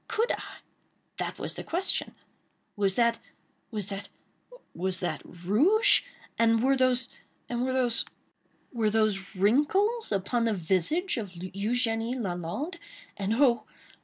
—could I?—that was the question. Was that—was that—was that rouge? And were those—and were those—were those wrinkles, upon the visage of Eugénie Lalande? And oh!